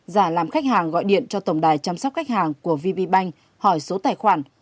giả làm khách hàng gọi điện cho tổng đài chăm sóc khách hàng của vb bank hỏi số tài khoản